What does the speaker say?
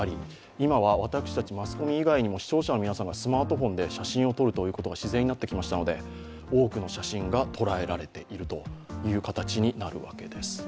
今は私たち、マスコミ以外にも視聴者の皆さんがスマートフォンで写真を撮ることが自然になってきましたので、多くの写真が捉えられているという形になります。